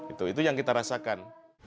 itu yang kita rasakan